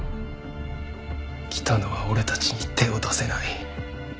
喜多野は俺たちに手を出せない。